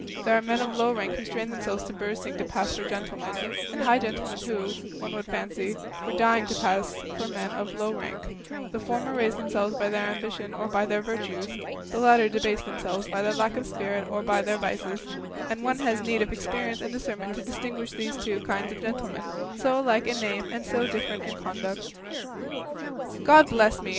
There are men of low rank who strain themselves to bursting to pass for gentlemen, and high gentlemen who, one would fancy, were dying to pass for men of low rank; the former raise themselves by their ambition or by their virtues, the latter debase themselves by their lack of spirit or by their vices; and one has need of experience and discernment to distinguish these two kinds of gentlemen, so much alike in name and so different in conduct." "God bless me!"